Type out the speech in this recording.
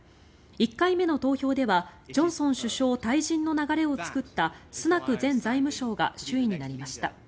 １回目の投票ではジョンソン首相退陣の流れを作ったスナク前財務相が首位になりました。